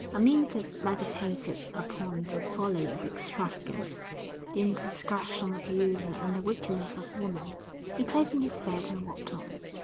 Amyntas meditated upon the folly of extravagance, the indiscretion of youth and the wickedness of woman.... He tightened his belt and walked on.